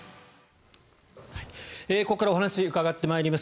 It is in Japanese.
ここからお話伺ってまいります。